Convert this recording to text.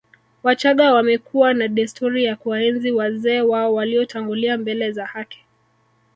Wachaga wamekuwa na desturi ya kuwaenzi wazee wao waliotangulia mbele za haki